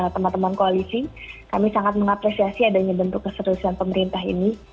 teman teman koalisi kami sangat mengapresiasi adanya bentuk keseriusan pemerintah ini